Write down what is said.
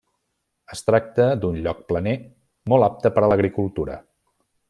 Es tracta d’un lloc planer molt apte per a l’agricultura.